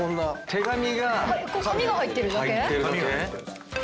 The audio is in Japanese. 手紙が入ってるだけ？